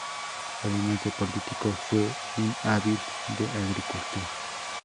Además de político, fue un hábil de agricultor.